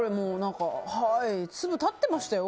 粒立ってましたよ